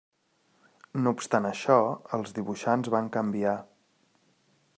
No obstant això els dibuixants van canviar.